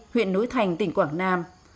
huyện núi thành tỉnh quảng nam